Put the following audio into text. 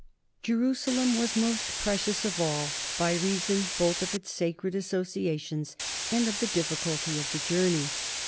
Jerusalem was most precious of all, by reason both of its sacred associations and of the difficulty of the jour ney.